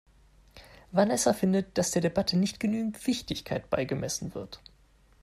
Vanessa findet, dass der Debatte nicht genügend Wichtigkeit beigemessen wird.